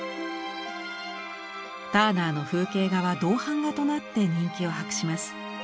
ターナーの風景画は銅版画となって人気を博します。